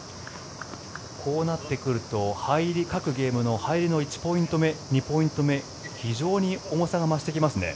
こうなってくると各ゲームの入りの１ポイント目２ポイント目非常に重さが増してきますね。